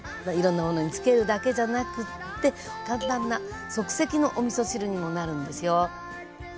いろんなものにつけるだけじゃなくって簡単な即席のおみそ汁にもなるんですよ。